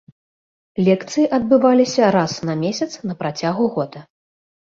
Лекцыі адбываліся раз на месяц на працягу года.